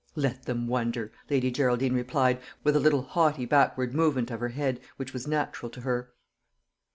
"Let them wonder," Lady Geraldine replied, with a little haughty backward movement of her head, which was natural to her.